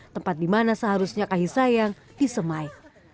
tempat di mana seharusnya kahisayang disemai